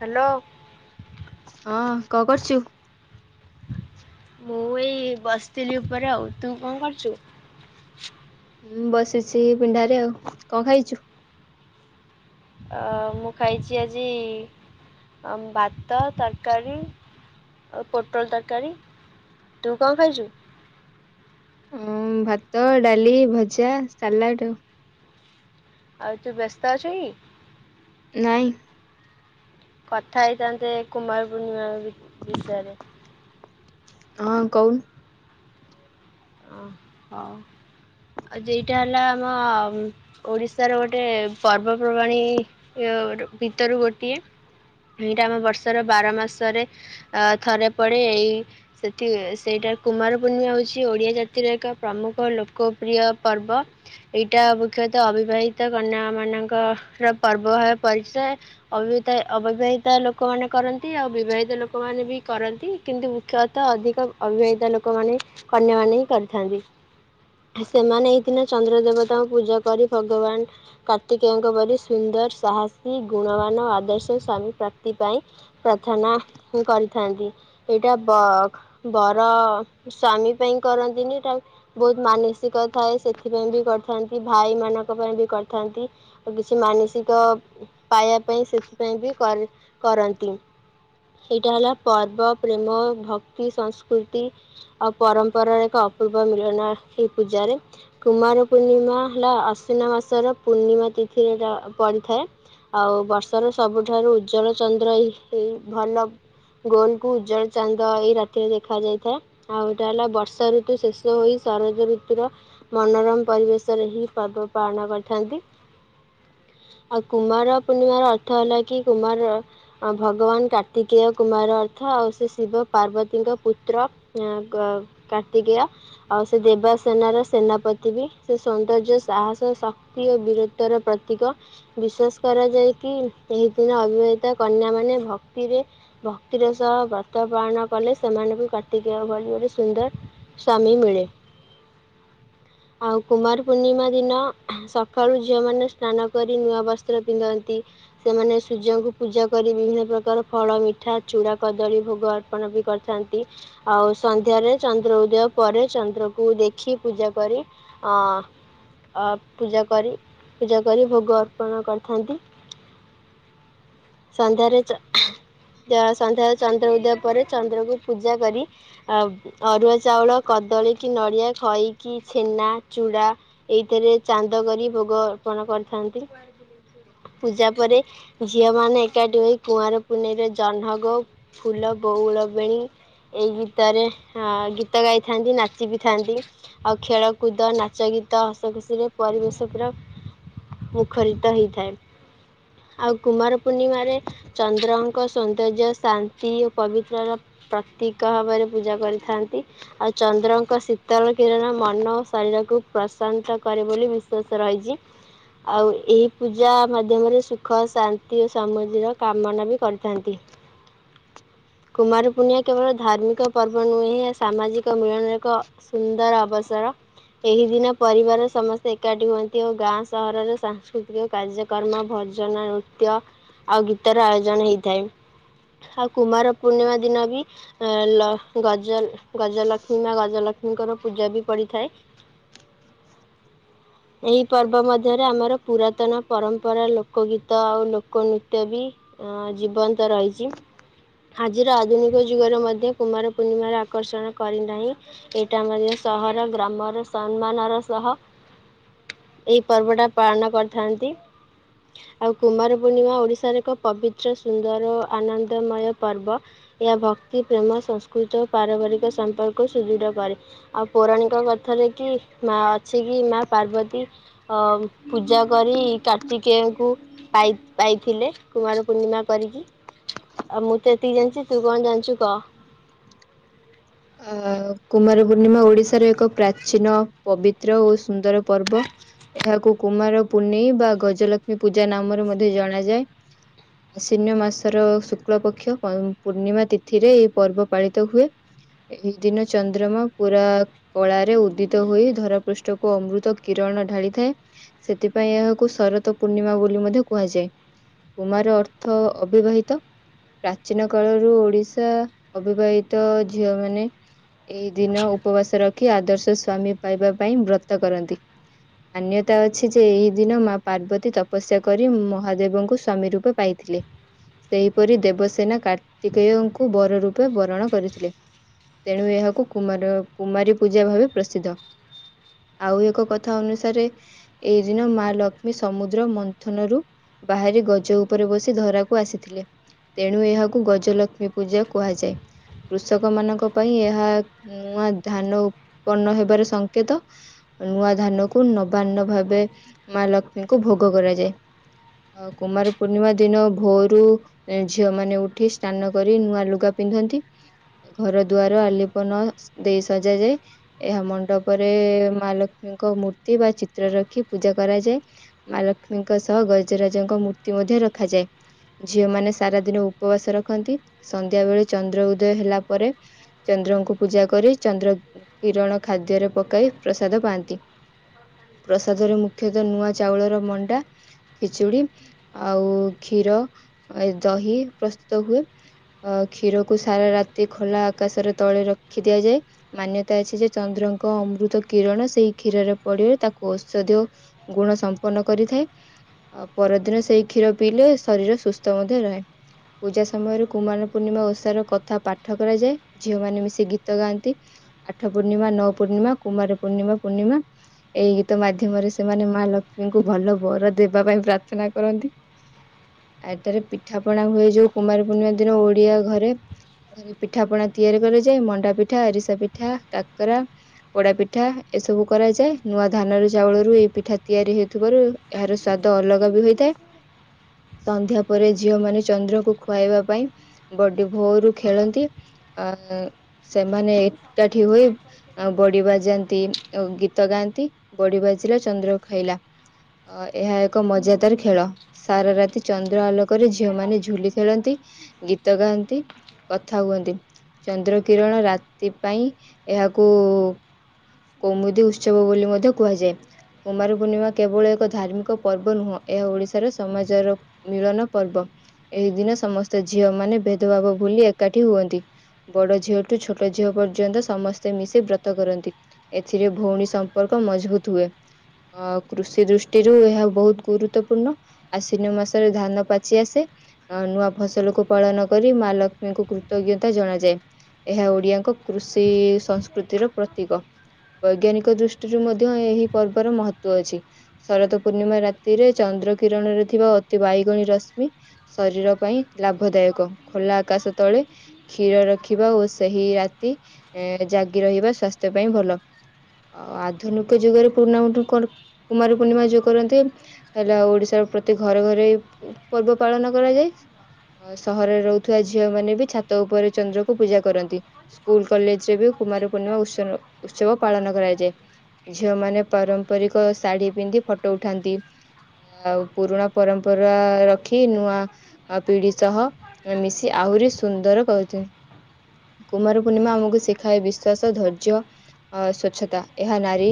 Hello ହଁ କଣ କରୁଛୁ? ମୁଁ ଏଇ ବସିଥିଲି ଉପରେ ଆଉ ତୁ କଣ କରୁଛୁ? ହଁ ବସିଛି ପିଣ୍ଡାରେ, ଆଉ କଣ ଖାଇଛୁ? ଅ ମୁଁ ଖାଇଛି ଆଜି ଭାତ ତରକାରୀ ଆଉ ପୋଟଳ ତରକାରୀ। ତୁ କଣ ଖାଇଛୁ? ହଁ ଭାତ ଡାଲି ଭଜା ସାଲାଡ଼ ଆଉ। ଆଉ ତୁ ବ୍ୟସ୍ତ ଅଛୁ କି? ନାହିଁ। କଥା ହେଇଥାନ୍ତେ କୁମାର ପୂର୍ଣ୍ଣିମା ବିଷୟରେ। ହଁ କହୁନ। ହ ହଉ ଆଉ ଯେଟା ହେଲା ଆମ ଓଡିଶାର ଗୋଟେ ପର୍ବପର୍ବାଣି ଭିତରୁ ଗୋଟିଏ। ଏଇଟା ଆମ ବର୍ଷର ବାର ମାସରେ ଅ ଥରେ ପଡେ ଏଇ ସେଠି ସେଇଟାରେ କୁମାର ପୂର୍ଣ୍ଣିମା ହଉଛି ଓଡିଆ ଜାତି ର ଏକ ପ୍ରମୁଖ ଲୋକପ୍ରିୟ ପର୍ବ। ଏଇଟା ମୁଖ୍ୟତଃ ଅବିବାହିତ କନ୍ୟା ମାନଙ୍କର ପର୍ବ ଭାବେ ପରିଚୟ। ଅବହିତା ଅବିବାହିତ ଲୋକମାନେ କରନ୍ତି ଆଉ ବିବାହିତ ଲୋକମାନୋନ ବି କରନ୍ତି। କିନ୍ତୁ ମୁଖ୍ୟତଃ ଅଧିକ ଅବିବାହିତ ଲୋକମାନୋନ କନ୍ୟା ମାନ ହିଁ କରିଥାନ୍ତି। ସେମାନେ ଏଇ ଦିନ ଚନ୍ଦ୍ର ଦେବତାଙ୍କୁ ପୂଜା କରି ଭଗବାନ କାର୍ତ୍ତିକେୟଙ୍କ ପରି ସୁନ୍ଦର ସାହସୀ ଗୁଣବାନ ଆଦର୍ଶ ସଵାମୀ ପ୍ରାପ୍ତି ପାଇଁ ପ୍ରାର୍ଥନା କରିଥାନ୍ତି। ସେଇଟା ବ ବର ସ୍ଵାମୀ ପାଇଁ କରନ୍ତିନି। ଟା ବହୁତ ମାନସିକ ଥାଏ ସେଥିପାଇଁ ବି କରିଥାନ୍ତି ଭାଇ ମାନଙ୍କ ପାଇଁ ବି କରିଥାନ୍ତି। କିଛି ମାନସିକ ପାଇବା ପାଇଁ ସେଥିପାଇଁ ବି କରି କରନ୍ତି। ଏଇଟା ହେଲା ପର୍ବ ପ୍ରେମ ଭକ୍ତି ସଂସ୍କୃତି ଆଉ ପରମ୍ପରାର ଏକ ଅପୂର୍ବ ମିଳନ ଏଇ ପୂଜାରେ କୁମାର ପୂର୍ଣ୍ଣିମା ହେଲା ଆଶ୍ୱନ ମାସର ପୂର୍ଣ୍ଣିମା ତିଥିରେ ପଡିଥାଏ। ଆଉ ବର୍ଷର ସବୁଠାରୁ ଉଜ୍ଜଳ ଚନ୍ଦ୍ର ଭଲ ଗୋଲ କୁ ଉଜ୍ଜଵଳ ଚାନ୍ଦ ଏଇ ରାତିରେ ଦେଖା ଯାଇଥାଏ ଆଉ ଏଇଟା ହେଲା ବର୍ଷା ଋ ଶେଷ ହୋଇ ଶରଜ ଋତୁୁର ମନୋରମ ପରିବେଶରେ ହିଁ ପର୍ବ ପାଳନ କରିଥାନ୍ତି। ଆଉ କୁମାର ପୂର୍ଣ୍ଣିମ ର ଅର୍ଥ ହେଲା କି କୁମାର ଅ ଭଗବାନ କାର୍ତ୍ତିକେୟ କୁମାର ଅର୍ଥ ଆଉ ସେ ଶିବ ପାର୍ବତୀଙ୍କ ପୁତ୍ର। ଆ କ କାର୍ତ୍ତିକେୟ ଆଉ ସେ ଦେବାସେନାର ସେନାପତି ବି ସେ ସୌନ୍ଦର୍ଯ୍ୟ ସାହସ ଶକ୍ତି ଓ ବୀରତର ପ୍ରତୀକ। ବିଶ୍ୱାସ କରାଯାଏ କି ଏହିଦିନ ଅବିବାହିତ କନ୍ୟାମାନେ ଭକ୍ତିରେ ଭକ୍ତିର ସହ ବ୍ରତ ପାଳନ କଲେ ସେମାନେ ବି କାର୍ତ୍ତିକ ଭଳି ଗୋଟେ ସୁନ୍ଦର। ସ୍ୱାମୀ ମିଳେ ଆଉ କୁମାର ପୂର୍ଣ୍ଣିମା ଦିନ ସ ସକାଳୁ ଝିଅ ମାନେ ସ୍ନାନ କରି ନୂଆ ବସ୍ତ୍ର ପିନ୍ଧନ୍ତି। ସେମାନେ ସୂର୍ଯ୍ୟଙ୍କୁ ପୂଜା କରି ବିଭିନ୍ନ ପ୍ରକାର ଫଳ ମିଠା ଚୂଡ଼ା କଦଳୀ ଭୋଗ ଅ ପଣ ବି କରିଥାନ୍ତି ଆଉ ସନ୍ଧ୍ୟାରେ ଚ ଚନ୍ଦ୍ର ଉଦୟ ପରେ ଚନ୍ଦ୍ରକୁ ଦେଖି ପୂଜାକରି ଅ ଅ ପୂଜାକରି ପୂଜାକରି ଭୋଗ ଅର୍ପଣ କରିଥାନ୍ତି। ସନ୍ଧ୍ୟାରେ ଚ ସନ୍ଧ୍ୟା ଚନ୍ଦ୍ର ଉଦୟ ପରେ ଚନ୍ଦ୍ରକୁ ପୂଜା କରି ଅରୁଆ ଚାଉଳ କଦଳୀ କି ନଡ଼ିଆ ଖଇକି ଛେନା ଚୂଡ଼ା ଏଇଥିରେ ଚାନ୍ଦ କରି ଭୋଗ ଅର୍ପଣ କରିଥାନ୍ତି ପୂଜା ପରେ ଝିଅ ମାନ ଏକାଠି ହୋଇ କୁଆଁର କୁନେଇର ଜହ୍ନଗୋ ଫୁଲ ବଉଳ ବେଣୀ ଏଇ ଗୀତରେ ଅ ଗୀତ ଗାଇଥାନ୍ତି ନାଚି ବି ଥାନ୍ତି। ଆଉ ଖେଳକୁଦ ନାଚ ଗୀତ ହସ ଖୁସିରେ ପରିବେଶ ପୁରା ମୁଖରିତ ହେଇଥାଏ ଆଉ କୁମାର ପୂର୍ଣ୍ଣିମାରେ ଚନ୍ଦ୍ରଙ୍କ ସୌନ୍ଦର୍ଯ୍ୟ ଶାନ୍ତି ଓ ପବିତ୍ରର ପ୍ରତୀକ ଭାବରେ ପୂଜା କରି ଥାଆନ୍ତି। ଆଉ ଚନ୍ଦ୍ରଙ୍କ ଶୀତଳ କିରଣ ମନ ଓ ଶରୀରକୁ ପ୍ରଶାନ୍ତ କରେ ବୋଲି ବିଶ୍ଵାସ ରହିଚି। ଆଉ ଏହି ପୂଜା ମାଧ୍ୟମରେ ସୁଖ ଶାନ୍ତି ଓ ସମୃଦ୍ଧିର କାମନା ବି କରିଥାନ୍ତି। କୁମାର ପୂ୍ଣ୍ଣିମା କେବଳ ଧାର୍ମିକ ପର୍ବ ନୁହେଁ। ଏହା ସାମାଜିକ ମିଳନରେ ଏକ ସୁନ୍ଦର ଅବସର। ଏହି ଦିନ ପରିବାର ସମସ୍ତେ ଏକାଠି ହୁଅନ୍ତି ଆଉ ଗାଁ ସହରରେ ସାଂସ୍କୃତିକ କାର୍ଯ୍ୟ କର୍ମ ଭଜନ ନୃତ୍ୟ ଆଉ ଗୀତର ଆୟୋଜନ ହେଇଥାଏ। ଆଉ କୁମାର ପୂର୍ଣ୍ଣିମା ଦିନ ବି ଲ ଗଜଲ ଗଜଲକ୍ଷ୍ମୀ ମା ଗଜଲକ୍ଷ୍ମୀଙ୍କର ପୂଜା ବି ପଡିଥାଏ। ଏହି ପର୍ବ ମଧ୍ୟରେ ଆମର ପୁରାତନ ପରମ୍ପରା ଲୋକଗୀତ ଆଉ ଲୋକନୃତ୍ୟ ବି ଅ ଜୀବନ୍ତ ରହିଛି ଆଜିର ଆଧୁନିକ ଯୁଗରେ ମଧ୍ୟ କୁମାର ପୂର୍ଣ୍ଣିମା ଆକର୍ଷଣ କରିନାହିଁ ଏଇଟା ମଧ୍ୟ ସହର ଗ୍ରାମର ସମ୍ମାନର ସହ ଏଇ ପର୍ବଟା ପାଳନ କରିଥାନ୍ତି। ଆଉ କୁମାର ପୂର୍ଣ୍ଣିମା ଓଡିଶାର ଏକ ପବିତ୍ର ସୁନ୍ଦର ଓ ଆନନ୍ଦମୟ ପର୍ବ। ଏହା ଭକ୍ତି ପ୍ରେମ ସଂସ୍କୃତ ଓ ପାରମ୍ପାରିକ ସମ୍ପର୍କକୁ ସୁଦୃଢ କରେ। ଆଉ ପୌରାଣିକ କଥାରେ କି ମା ଅଛି କି ମା ପାର୍ବତୀ ଅ ପୂଜା କରି କାର୍ତ୍ତିକେୟକୁ ପାଇ ପାଇଥିଲେ କୁମାର ପୂର୍ଣ୍ଣିମା କରିକି, ଆଉ ମୁଁ ତ ଏତିକି ଜାଣିଚି ତୁ କଣ ଜାଣିଚୁ କ? ଅ କୁମାର ପୂର୍ଣ୍ଣିମା ଓଡିଶାର ଏକ ପ୍ରାଚୀନ ପବିତ୍ର ଓ ସୁନ୍ଦର ପର୍ବ ଏହାକୁ କୁମାର ପୁନେଇଁ ବା ଗଜଲକ୍ଷ୍ମୀ ପୂଜା ନାମରେ ମଧ୍ୟ ଜଣାଯାଏ। ଆଶ୍ୱିନ ମାସର ଶୁକ୍ଳପକ୍ଷ ପୂର୍ଣ୍ଣିମା ତିଥିରେ ଏହି ପର୍ବ ପାଳିତ ହୁଏ। ଏହି ଦିନ ଚନ୍ଦ୍ରମା ପୁରା କଳାରେ ଉଦ୍ଦିତ ହୋଇ ଧରାପୃଷ୍ଠକୁ ଅମୃତ କିରଣ ଢାଳିଥାଏ। ସେଥିପାଇଁ ଏହାକୁ ଶରତ ପୂର୍ଣ୍ଣିମା ବୋଲି ମଧ୍ୟ କୁହାଯାଏ। କୁମାର ଅର୍ଥ ଅବିବାହିତ। ପ୍ରାଚୀନ କାଳରୁ ଓଡିଶା ଅବିବାହିତ ଝିଅ ମା ନେ ଏଇଦିନ ଉପବାସ ରଖି ଆଦର୍ଶ ସ୍ଵାମୀ ପାଇବା ପାଇଁ ବ୍ରତ କରନ୍ତି। ମାନ୍ୟତା ଅଛି ଯେ ଏହି ଦିନ ମା ପାର୍ବତୀ ତପସ୍ୟା କରି ମହାଦେବଙ୍କୁ ସ୍ଵାମୀ ରୂପେ ପାଇ ଥିଲେ, ସେହିପରି ଦେବସେନା କାର୍ତ୍ତିକେୟଙ୍କୁ ବର ରୂପେ ବରଣ କରିଥିଲେ। ତେଣୁ ଏହାକୁ କୁମାର କୁମାରୀ ପୂଜା ଭାବେ ପ୍ରସିଦ୍ଧ। ଆଉ ଏକ କଥା ଅନୁସାରେ ଏଇ ଦିନ ମା ଲକ୍ଷ୍ମୀ ସମୁଦ୍ର ମନ୍ଥନରୁ ବାହାରି ଗଜ ଉପରେ ବସି ଧରାକୁ ଆସିଥିଲେ। ତେଣୁ ଏହାକୁ ଗଜଲକ୍ଷ୍ମୀ ପୂଜା କୁହାଯାଏ। କୃଷକ ମାନଙ୍କ ପାଇଁ ଏହା ନୂଆ ଧାନ ଉତ୍ପନ୍ନ ହେବାର ସଙ୍କେତ। ନୂଆ ଧାନକୁ ନବାନ୍ନ ଭାବେ ମା ଲକ୍ଷ୍ମୀଙ୍କୁ ଭୋଗ କରାଯାଏ। ଆଉ କୁମାର ପୂର୍ଣ୍ଣିମା ଦିନ ଭୋରୁ ଝିଅ ମାନେ ଉଠି ସ୍ନାନକରି ନୂଆ ଲୁଗା ପିନ୍ଧନ୍ତି। ଘର ଦୁଆର ଆଲିପନ ଦେଇ ସଜାଯାଏ। ଏହା ମଣ୍ଡପରେ ମା ଲକ୍ଷ୍ମୀଙ୍କ ମୂର୍ତ୍ତି ବା ଚିତ୍ର ରଖି ପୂଜା କରାଯାଏ। ମାଲକ୍ଷ୍ମୀଙ୍କ ସହ ଗଜରାଜଙ୍କ ମୂର୍ତ୍ତି ମଧ୍ୟ ରଖାଯାଏ। ଝିଅ ମାନେ ସାରା ଦିନ ଉପବାସ ରଖନ୍ତି, ସନ୍ଧ୍ୟା ବେଳେ ଚନ୍ଦ୍ର ଉଦୟ ହେଲା ପରେ ଚନ୍ଦ୍ରଙ୍କୁ ପୂଜା କରି ଚନ୍ଦ୍ର କିରଣ ଖାଦ୍ୟରେ ପକାଇ ପ୍ରସାଦ ପାଆନ୍ତି। ପ୍ରସାଦରେ ମୁଖ୍ୟତଃ ନୂଆ ଚାଉଳର ମଣ୍ଡା ଖିଚୁଡ଼ି ଆଉ କ୍ଷୀର ଦହି ପ୍ରସ୍ତୁତ ହୁଏ। ଅ କ୍ଷୀରକୁ ସାରା ରାତି ଖୋଲା ଆକାଶରେ ତଳେ ରଖି ଦିଆଯାଏ। ମାନ୍ୟତା ଅଛି ଯେ ଚନ୍ଦ୍ରଙ୍କ ଅମୃତ କିରଣ ସେଇ କ୍ଷୀରରେ ପଡିିଲେ ତାକୁ ଔଷଧୀୟ ଗୁଣ ସମ୍ପନ୍ନ କରିଥାଏ। ଆଉ ପରଦିନ ସେଇ କ୍ଷୀର ପିଇଲେ ଶରୀର ସୁସ୍ଥ ମଧ୍ୟ ରହେ। ପୂଜା ସମୟରେ କୁମାର ପୂର୍ଣ୍ଣିମା ଓଷାର କଥା ପାଠ ଠ କରାଯାଏ ଝିଅ ମାନେ ମିଶି ଗୀତ ଗାଆନ୍ତି। ଆଠ ପୂର୍ଣ୍ଣିମା ନଅ ପୂର୍ଣ୍ଣିମା କୁମାର ପୂର୍ଣ୍ଣିମା ପୂର୍ଣ୍ଣିମା। ଏଇ ଗୀତ ମାଧ୍ୟମରେ ସେମାନେ ମା ଲକ୍ଷ୍ମୀଙ୍କୁ ଭଲ ବର ଦେବା ପାଇଁ ପ୍ରାର୍ଥନା କରନ୍ତି। ଏଇଥିରେ ପିଠାପଣା ହୁଏ ଯୋଉ କୁମାର ପୂର୍ଣ୍ଣିମା ଦିନ ଓଡିଆ ଘରେ। ଘରେ ପିଠା ପଣା ତିଆରି କରାଯାଏ ମଣ୍ଡା ପିଠା ଆରିସା ପିଠା କାକରା। ପୋଡା ପିଠା ଏସବୁ କରାଯାଏ ନୂଆ ଧାନ ରୁ ଚାଉଳ ରୁ ଏଇ ପିଠା ତିଆରି ହେଉଥିବାରୁ ଏହାର ସ୍ଵାଦ ଅଲଗା ବି ହୋଇଥାଏ। [inaudible] ସନ୍ଧ୍ୟା ପରେ ଝିଅ ମାନେ ଚନ୍ଦ୍ରକୁ ଖୁଆଇବା ପାଇଁ ବଡି ଭୋରୁ ଖେଳନ୍ତି ଆ ସେମାନେ ଏକାଠି ହୋଇ ଆଉ ବଡି ବାଜାନ୍ତି ଗୀତ ଗାଆନ୍ତି ବଡି ବାଜିଲା ଚନ୍ଦ୍ରକୁ ଖାଇଲା। ଅ ଏହା ଏକ ମଜାଦାର ଖେଳ। ସାରା ରାତି ଚନ୍ଦ୍ର ଆଲୋକରେ ଝିଅମାନୋନେ ଝୁଲି ଖେଳନ୍ତି ଗୀତ ଗାଆନ୍ତି। କଥା ହୁଅନ୍ତି ଚନ୍ଦ୍ର କିରଣ ରାତି ପାଇଁ ଏହାକୁ କୌମୁଦି ଉତ୍ସବ ବୋଲି ମଧ୍ୟ କୁହାଯାଏ। କୁମାର ପୂର୍ଣ୍ଣିମା କେବଳ ଏକ ଧାର୍ମିକ ପର୍ବ ନୁହଁ ଏହା ଓଡିଶାର ସମାଜର ମିଳନ ପର୍ବ ଏହି ଦିନ ସମସ୍ତେ ଝିଅ ମାନେ ଭେଦଭାବ ଭୁଲି ଏକାଠି ହୁଅନ୍ତି। ବଡ ଝିଅଠୁ ଛୋଟ ଝିଅ ପର୍ଯ୍ୟନ୍ତ ସମସ୍ତେ ମିଶି ବ୍ରତ କରନ୍ତି। ଏଥିରେ ଭଉଣୀ ସମ୍ପର୍କ ମଜବୁତ ହୁଏ। ଅ କୃଷି ଦୃଷ୍ଟିରୁ ଏହା ବହୁତ ଗୁରୁତ୍ୱପୂର୍ଣ୍ଣ। ଆଶ୍ୱନ ମାସରେ ଧାନ ପାଚି ଆସେ। ଆଉ ନୂଆ ଫସଲକୁ ପାଳନ କରି ମା ଲକ୍ଷ୍ମୀଙ୍କୁ କୃତଜ୍ଞତା ଜଣାଯାଏ। ଏହା ଓଡିଆଙ୍କ କୃଷି ସଂସ୍କୃତିର ପ୍ରତୀକ। ବୈଜ୍ଞାନିକ ଦୃଷ୍ଟିରୁ ମଧ୍ୟ ଏହି ପର୍ବର ମହତ୍ଵ ଅଛି। ଶରତ ପୂର୍ଣ୍ଣିମା ରାତିରେ ଚନ୍ଦ୍ର କିରଣ ରେ ଥିବା ଅତି ବାଇଗଣୀ ରଶ୍ମି ଶରୀର ପାଇଁ ଲାଭଦାୟକ ଖୋଲା ଆକାଶ ତଳେ କ୍ଷୀର ରଖିବା ଓ ସେହି ରାତି ଜାଗି ରହିବା ସ୍ୱାସ୍ଥ୍ୟ ପାଇଁ ଭଲ। ଆଉ ଆଧୁନିକ ଯୁଗରେ ପୂର୍ଣି କୁମାର ପୂର୍ଣ୍ଣିମା ଯେଉ କରନ୍ତି ହେଲେ ଆଉ ଓଡିଶାର ପ୍ରତି ଘରେ ଘରେ ଏହି ପର୍ବ ପାଳନ କରାଯାଏ। ଆଉ ସହରରେ ରହୁଥିବା ଏ ଝିଅ ମାନେବି ଛାତ ଉପରେ ଚନ୍ଦ୍ରକୁ ପୂଜା କରନ୍ତି। ସ୍କୁଲ କଲେଜ ରେ ବି କୁମାର ପୂର୍ଣ୍ଣିମା ଉତ୍ସ ଉତ୍ସବ ପାଳନ କରାଯାଏ। ଝିଅ ମାନେ ପାରମ୍ପରିକ ଶାଢୀ ପିନ୍ଧି ଫଟୋ ଉଠାନ୍ତି। ଆଉ ପୁରୁଣା ପରମ୍ପରା ରଖି ନୂଆ ଆଉ ପିଢି ସହ ମିଶି ଆହୁରି ସୁନ୍ଦର କରୁଛନ୍ତି। କୁମାର ପୂର୍ଣ୍ଣିମା ଆମକୁ ଶିଖାଏ ବିସ୍ୱାଶ ଧୈର୍ଯ୍ୟ ଅ ସ୍ୱଚ୍ଛତା ଏହା ନାରୀ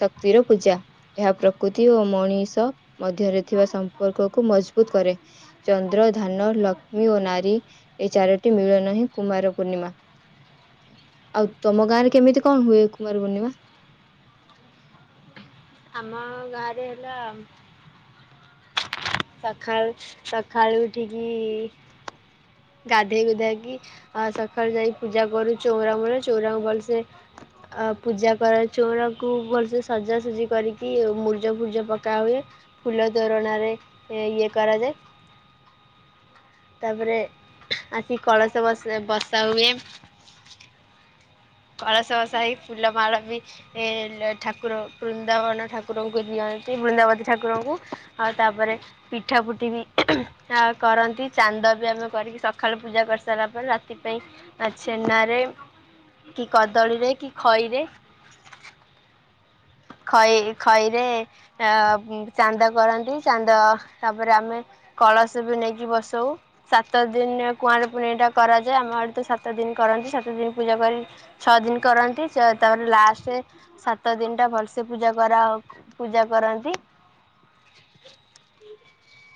ଶକ୍ତିର ପୂଜା ଏହା ପ୍ରକୃତି ଓ ମଣିଷ ମଧ୍ୟରେ ଥିବା ସମ୍ପର୍କ କୁ ମଜବୁତ କରେ। ଚନ୍ଦ୍ର ଧାନ ଲକ୍ଷ୍ମୀ ଓ ନାରୀ ଏଇ ଚାରୋଟି ମିଳନ ହିଁ କୁମାର ପୂର୍ଣ୍ଣିମା। ଆଉ ତମ ଗାଁ ରେ କେମିତି କଣ ହୁଏ କୁମାର ପୂର୍ଣିମା ଆମ ଗାଁ ରେ ହେଲା ସକାଳୁ ସକାଳୁ ଉଠିକି ଗାଧେଇ ଗୁଧାକି ଆ ସକାଳୁ ଯାଇ ପୂଜା କରୁ ଚଉରାମୂଳେ ଚଉରାକୁ ଭଲସେ ଆ ପୂଜା କରାଏ ଚଉରାକୁ ଭଲସେ ସଜାସଜି କରିକି ମୁର୍ଜ ଫୁର୍ଜ ପକା ହୁଏ। ଫୁଲ ତୋରଣାରେ ଇଏ କରାଯାଏ। ତାପରେ ଆସିି କଳସ ବ ବସା ହୁଏ। କଳସ ବସା ହେଇ ଫୁଲ ମାଳ ବି ଏ ଠାକୁର ବୃନ୍ଦାବନ ଠାକୁରଙ୍କୁ ଦିଅନ୍ତି ବୃନ୍ଦାବତୀ ଠାକୁରଙ୍କୁ ଆଉ ତାପରେ ପିଠା ପୁଠି ବି ଆ କରନ୍ତି ଚାନ୍ଦ ବି ଆମେ କରିକି ସକାଳୁ ପୂଜା କରି ସାରିଲା ପରେ ରାତି ପାଇଁ ଆ ଛେନାରେ କି କଦଳୀରେ କି ଖଇ ରେ ଖଇ ଖଇରେ ଚାନ୍ଦ କରନ୍ତି ଚାନ୍ଦ ତାପରେ ଆମେ କଳସ ବି ନେଇକି ବସାଉ ସାତ ଦିନ କୁଆଁର ପୁନେଇଁ ଟା କରାଯାଏ ଆମ ଆଡେ ତ ସାତ ଦିନି କରନ୍ତି ସାତ ଦିନି ପୂଜା କରି ଛଅ ଦିନି କରନ୍ତି ତାପରେ ଲାଷ୍ଟେ ସାତ ଦିନ ଟା ଭଲ ସେ ପୂଜା କରା ପୂଜା କରନ୍ତି।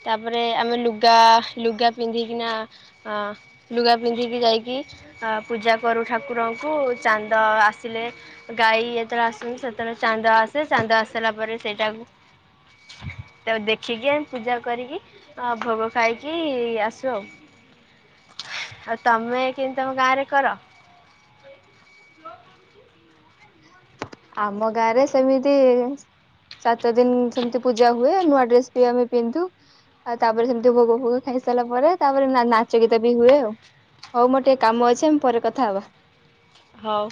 ତାପରେ ଆମେ ଲୁଗା ଲୁଗା ପିନ୍ଧିକିନା ହଁ ଲୁଗା ପିନ୍ଧିକି ଯାଇକି ଅ ପୂଜା କରୁ ଠାକୁରଙ୍କୁ ଚାନ୍ଦ ଆସିଲେ ଗାଈ ଯେତେବେଳେ ଆସନ୍ତି ସେତେବେଳେ ଚାନ୍ଦ ଆସେ ଚାନ୍ଦ ଆସାରିଲା ପରେ ସେଇଟାକୁ ତାପରେ ଦେଖିକି ଆମେ ପୂଜା କରିକି ଭୋଗ ଖାଇକି ଆସୁ ଆଉ। ଆଉ ତମେ କେମିତି ତମ ଗାଁ ରେ କର? ସ ଆମ ଗାଁରେ ସେମିତି ସାତ ଦିନି ସେମିତି ପୂଜା ହୁଏ ନୂଆ ଡ୍ରେସ ବି ଆମେ ପିନ୍ଧୁ। ଆଉ ତାପରେ ସେମିତି ଭୋଗ ଫୋଗ ଖାଇସାରିଲା ପରେ ତାପରେ ନାଚ ଗୀତ ବି ହୁଏ ଆଉ। ହୋଉ ମୋର ଟିକେ କାମ ଅଛି ଆମେ ପରେ କଥା ହବା। ହଉ।